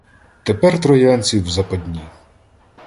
Тепер троянці в западні.